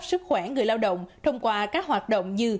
chăm sóc và nâng cao sức khỏe người lao động thông qua các hoạt động như